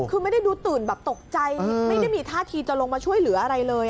คือไม่ได้ดูตื่นแบบตกใจไม่ได้มีท่าทีจะลงมาช่วยเหลืออะไรเลย